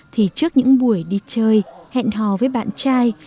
thì trước những buổi đi chơi hẹn hò với bạn trai